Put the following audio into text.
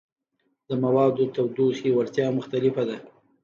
د موادو تودوخې وړتیا مختلفه ده.